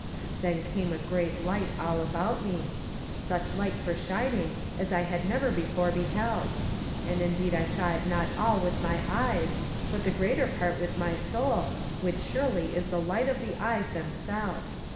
Then came a great light all about me, such light for shining as I had never before beheld, and indeed I saw it not all with my eyes, but the greater part with my soul, which surely is the light of the eyes themselves.